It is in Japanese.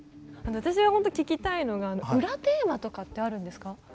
私がほんと聞きたいのが裏テーマとかってあるんですか？